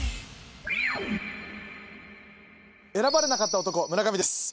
選ばれなかった男村上です。